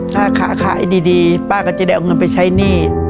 ถ้าขาขายดีป้าก็จะได้เอาเงินไปใช้หนี้